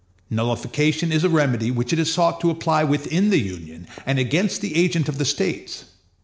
Nullification is a remedy which it is sought to apply within the Union, and against the agent of the States.